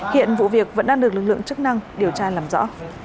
hiện vụ việc vẫn đang được lực lượng chức năng điều tra làm rõ